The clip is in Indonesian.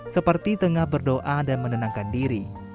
seperti tengah berdoa dan menenangkan diri